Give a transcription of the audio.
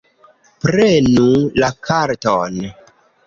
Prenu la karton